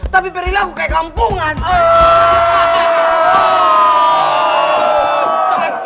tapi peri lagu kayak kampungan